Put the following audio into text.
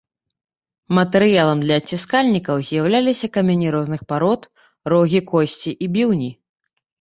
Матэрыялам для адціскальнікаў з'яўляліся камяні розных парод, рогі, косці і біўні.